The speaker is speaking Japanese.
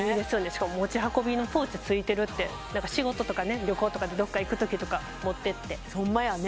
しかも持ち運びのポーチついてるって仕事とかね旅行とかでどっか行くときとか持ってってほんまやんね